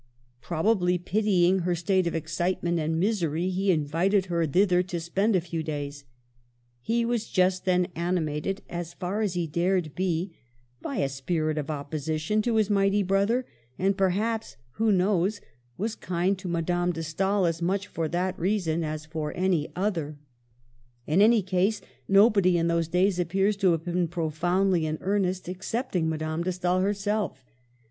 Probably pitying her state of excitement and misery, he invited her thither to spend a few days. He was just then animated, as far as he dared be, by a spirit of opposition to his mighty brother ; and perhaps — who knows ?— was kind to Madame de Stael as much for that reason as for any other. Digitized by VjOOQLC NEW FACES AT COPPET. 1 25 In any case, nobody in those days appears to have been profoundly in earnest except Madame de Stael herself.